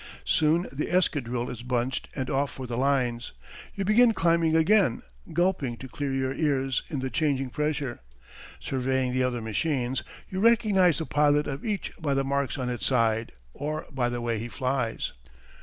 Soon the escadrille is bunched and off for the lines. You begin climbing again, gulping to clear your ears in the changing pressure. Surveying the other machines, you recognize the pilot of each by the marks on its side or by the way he flies.